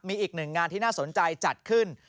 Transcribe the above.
มีอีกหนึ่งงานที่น่าสนใจจัดขึ้น